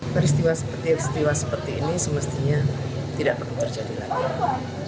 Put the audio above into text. peristiwa seperti ini semestinya tidak perlu terjadi lagi